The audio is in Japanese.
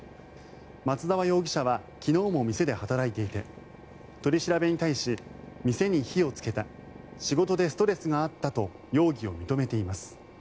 松沢容疑者は昨日も店で働いていて取り調べに対し店に火をつけた仕事でストレスがあったと容疑を認めています。